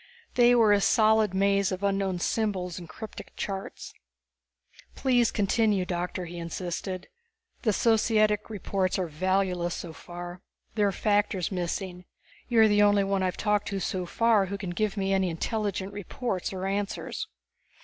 They were a solid maze of unknown symbols and cryptic charts. "Please continue, Doctor," he insisted. "The societics reports are valueless so far. There are factors missing. You are the only one I have talked to so far who can give me any intelligent reports or answers."